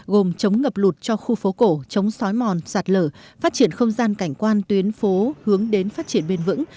gồm chống ngập lụt cho khu phố cổ chống xói mòn sạt lở phát triển không gian cảnh quan tuyến phố hướng đến phát triển bền vững